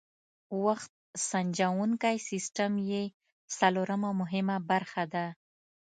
وخت سنجوونکی سیسټم یې څلورمه مهمه برخه ده.